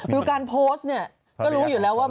ดูการโพสต์เนี่ยก็รู้อยู่แล้วว่า